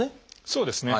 そうですね。